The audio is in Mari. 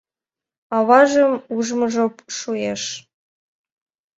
Аважым ужмыжо шуэш.